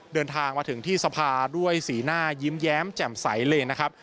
เดินทางมาถึงที่สภาด้วยสีหน้ายิ้มแย้มแจ่มใสเลยนะครับ